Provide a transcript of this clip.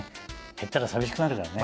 減ったら寂しくなるからね。